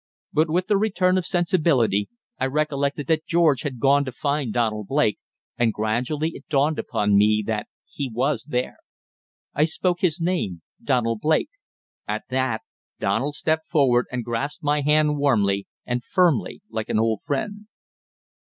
But with the return of sensibility I recollected that George had gone to find Donald Blake, and gradually it dawned upon me that he was there. I spoke his name "Donald Blake." At that Donald stepped forward and grasped my hand warmly and firmly like an old friend.